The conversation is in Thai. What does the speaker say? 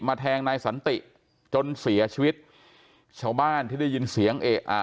แทงนายสันติจนเสียชีวิตชาวบ้านที่ได้ยินเสียงเอะอะ